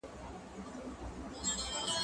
زه وخت نه تېرووم